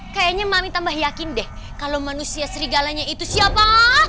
kayaknya mami tambah yakin deh kalau manusia serigalanya itu siapa